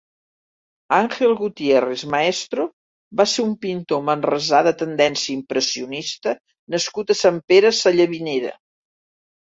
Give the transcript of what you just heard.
Ángel Gutiérrez Maestro va ser un pintor manresà de tendència impressionista nascut a Sant Pere Sallavinera.